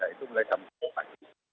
itu mulai jam sepuluh pagi